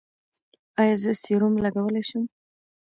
ایا زه سیروم لګولی شم؟